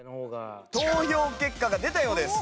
投票結果が出たようです。